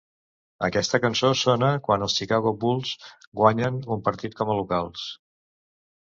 Aquesta cançó sona quan els Chicago Bulls guanyen un partit com a locals.